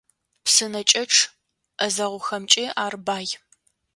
Псынэкӏэчъ ӏэзэгъухэмкӏи ар бай.